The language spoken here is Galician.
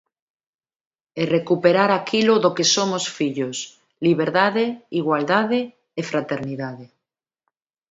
E recuperar aquilo do que somos fillos: liberdade, igualdade e fraternidade.